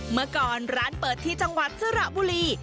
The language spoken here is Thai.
เมื่อก่อนร้านเปิดที่จังหวัดสระบุรี